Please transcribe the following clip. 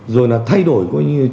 rồi là thay đổi có những chuyên trách